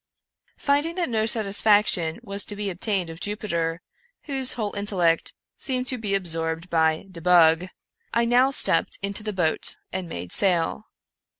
Finding that no satisfaction was to be obtained of Jupiter, whose whole intellect seemed to be absorbed by " de bug," 132 Edzar Allan Poe "^ I now stepped into the boat, and made sail.